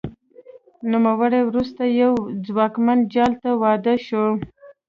نوموړې وروسته یوه ځواکمن جال ته واده شوه